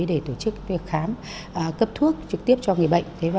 để tổ chức việc khám cấp thuốc trực tiếp cho người bệnh